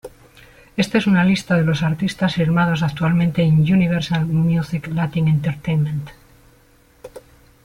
Esta es una lista de los artistas firmados actualmente en Universal Music Latin Entertainment.